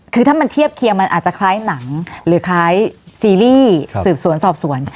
คือถ้ามันเทียบเคียงมันอาจจะคล้ายหนังหรือคล้ายซีรีส์สืบสวนสอบสวน